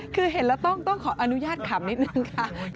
คือเห็นแล้วต้องขออนุญาตขำนิดนึงค่ะ